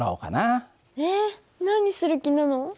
えっ何する気なの？